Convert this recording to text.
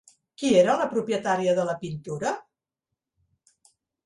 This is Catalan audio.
Qui era la propietària de la pintura?